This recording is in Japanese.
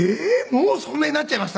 もうそんなになっちゃいました？